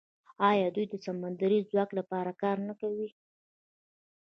آیا دوی د سمندري ځواک لپاره کار نه کوي؟